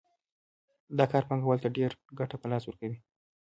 دا کار پانګوال ته ډېره ګټه په لاس ورکوي